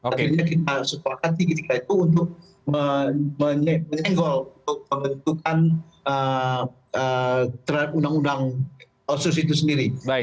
akhirnya kita sepakati ketika itu untuk menyenggol untuk pembentukan terhadap undang undang otsus itu sendiri